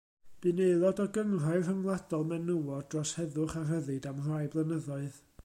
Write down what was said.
Bu'n aelod o Gynghrair Ryngwladol Menywod dros Heddwch a Rhyddid am rai blynyddoedd.